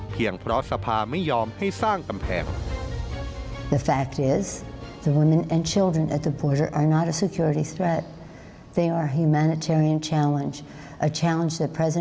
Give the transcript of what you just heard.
เพราะสภาไม่ยอมให้สร้างกำแพง